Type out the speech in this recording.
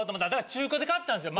中古で買ったんですよ。